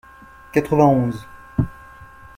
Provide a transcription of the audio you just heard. Quatre-vingt-onze.